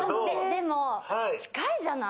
でも近いじゃない。